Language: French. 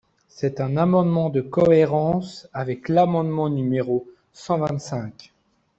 C’est un amendement de cohérence avec l’amendement numéro cent vingt-cinq.